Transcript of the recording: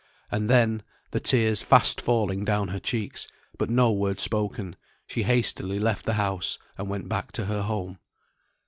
And then, the tears fast falling down her cheeks, but no word spoken, she hastily left the house, and went back to her home.